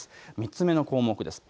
３つ目の項目です。